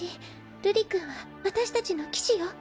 瑠璃君は私たちの騎士よ。